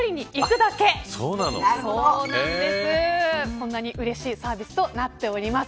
こんなにうれしいサービスとなっております。